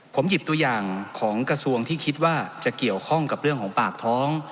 ผมหยิบตัวอย่างของกระทรวงที่คิดว่าจะเกี่ยวข้องกับเรื่องของปากท้อง